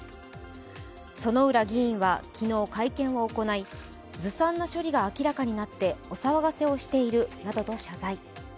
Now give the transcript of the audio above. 薗浦議員は昨日、会見を行いずさんな処理が明らかになってお騒がせをしているなどと謝罪。